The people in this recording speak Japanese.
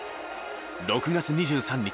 ６月２３日